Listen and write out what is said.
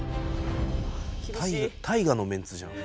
大河のメンツじゃん。